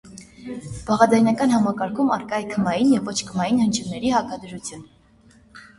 Բաղաձայնական համակարգում առկա է քմային և ոչ քմային հնչյունների հակադրություն։